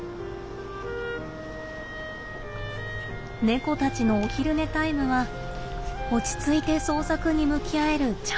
猫たちのお昼寝タイムは落ち着いて創作に向き合えるチャンス。